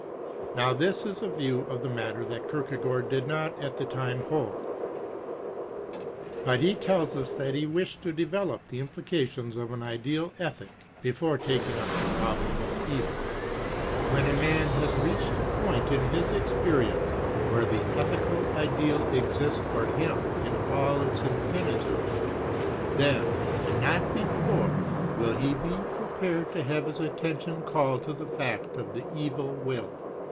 Now this is a view of the matter that Kierkegaard did not at the time hold; but he tells us that he wished to develop the implications of an ideal ethic before taking up the problem of evil. When a man has reached a point in his experience where the ethical ideal exists for him in all its infinitude, then and not before will he be prepared to have his attention called to the fact of the evil will.